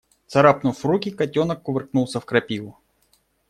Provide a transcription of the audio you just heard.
Царапнув руки, котенок кувыркнулся в крапиву.